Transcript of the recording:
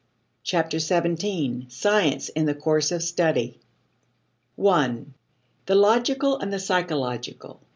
Chapter Seventeen: Science in the Course of Study 1. The Logical and the Psychological.